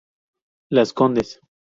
Las Condes.